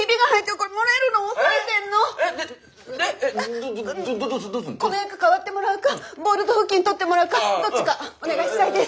この役代わってもらうかボウルと布巾取ってもらうかどっちかお願いしたいです。